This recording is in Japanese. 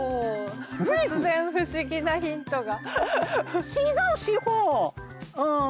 突然不思議なヒントが。